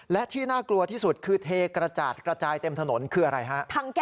และที่น่ากลัวที่สุดคือเทกระจาดกระจายเต็มถนนคืออะไรฮะ